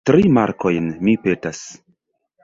Tri markojn, mi petas.